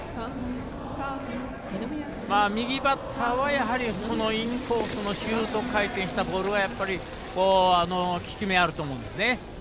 右バッターはこのインコースのシュート回転したボールは効き目あると思うんですね。